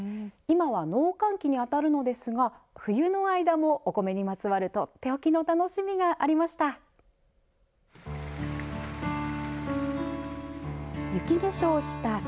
今は農閑期にあたるのですが冬の間もお米にまつわる、とっておきの楽しみがありました。